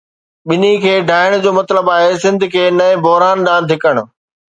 ٻنهي کي ڊاهڻ جو مطلب آهي سنڌ کي نئين بحران ڏانهن ڌڪڻ.